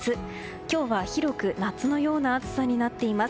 今日は、広く夏のような暑さになっています。